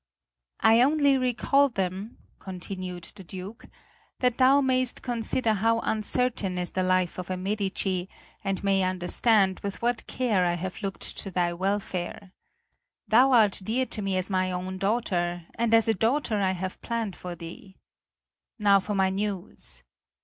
"I only recall them," continued the Duke, "that thou mayst consider how uncertain is the life of a Medici, and may understand with what care I have looked to thy welfare. Thou art dear to me as my own daughter, and as a daughter have I planned for thee. Now for my news.